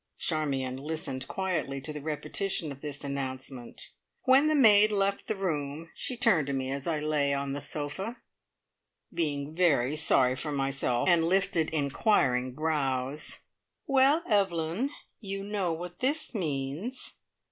Charmion listened quietly to the repetition of this announcement. When the maid left the room, she turned to me as I lay on the sofa, being very sorry for myself, and lifted inquiring brows. "Well, Evelyn. You know what this means?"